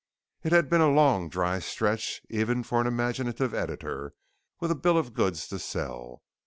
It had been a long dry stretch, even for an imaginative editor with a bill of goods to sell.